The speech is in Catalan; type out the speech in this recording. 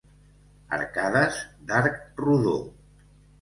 Arcades d'arc rodó.